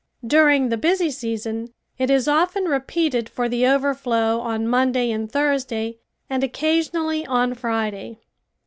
During the busy season it is often repeated for the overflow on Monday and Thursday and occasionally on Friday.